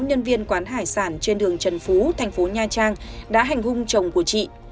nhân viên quán hải sản trên đường trần phú thành phố nha trang đã hành hung chồng của chị